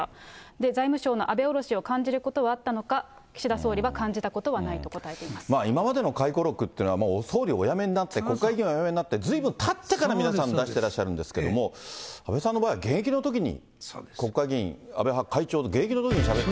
財務省の安倍おろしを感じることはあったのか、岸田総理は感じたことはないと答えてい今までの回顧録っていうのは、総理をお辞めになって、国会議員をお辞めになって、ずいぶんたってから皆さん出してらっしゃるんですけど、安倍さんの場合は現役のときに、国会議員、安倍派会長の現役のときにしゃべって。